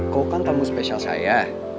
kau kan tamu spesial saya